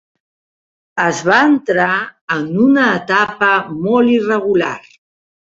Es va entrar en una etapa molt irregular.